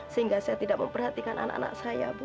sehingga saya tidak memperhatikan anak anak saya bu